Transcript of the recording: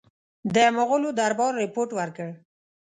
د مغولو دربار رپوټ ورکړ.